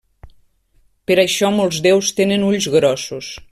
Per això molts déus tenen ulls grossos.